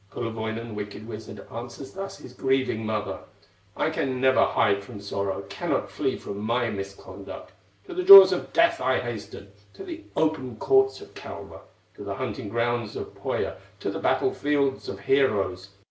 Kullerwoinen, wicked wizard, Answers thus his grieving mother: "Shall not haste to hide from sorrow, Shall not flee from my misconduct; To the jaws of death I hasten, To the open courts of Kalma, To the hunting grounds of Pohya, To the battle fields of heroes.